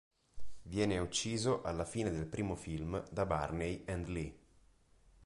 Viene ucciso alla fine del primo film da Barney and Lee.